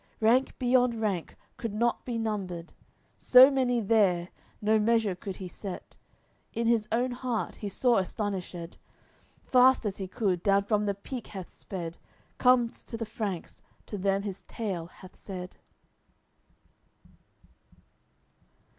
Rank beyond rank could not be numbered, So many there, no measure could he set. In his own heart he's sore astonished, Fast as he could, down from the peak hath sped Comes to the Franks, to them his tale hath said.